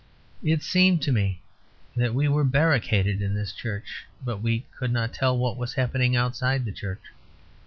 It seemed to me that we were barricaded in this church, but we could not tell what was happening outside the church.